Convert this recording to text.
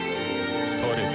トーループ。